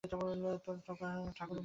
তোরা ঠাকরুনকে রাখতে পারলি কৈ?